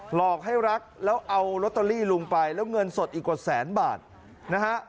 หลอกให้รักแล้วเอาลอตเตอรี่ลุงไปแล้วเงินสดอีกกว่าแสนบาทนะฮะ